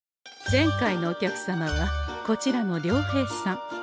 前回のお客様はこちらの遼平さん。